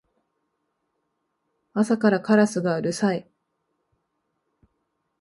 朝からカラスがうるさい